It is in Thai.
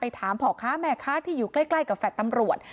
ไปถามผอค้าแม๊วค่ะที่อยู่ใกล้กับแฟลทตำรวจ